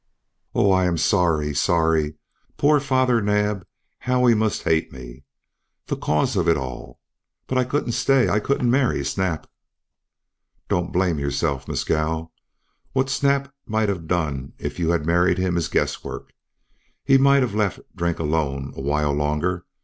"Oh, I am sorry sorry. Poor Father Naab! How he must hate me, the cause of it all! But I couldn't stay I couldn't marry Snap." "Don't blame yourself, Mescal. What Snap might have done if you had married him is guesswork. He might have left drink alone a while longer.